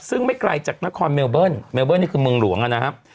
ซึ่งไม่ไกลจากนครเมลเบิ้ลเมลเบิ้นี่คือเมืองหลวงนะครับ